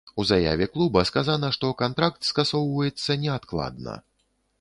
У заяве клуба сказана, што кантракт скасоўваецца неадкладна.